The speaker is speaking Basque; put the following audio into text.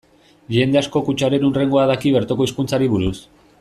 Jende askok hutsaren hurrengoa daki bertoko hizkuntzari buruz.